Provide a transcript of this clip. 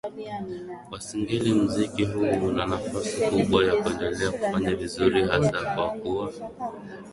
wa Singeli Muziki huu una nafasi kubwa ya kuendelea kufanya vizuri hasa kwa kuwa